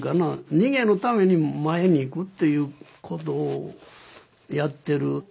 逃げのために前に行くっていうことをやってる。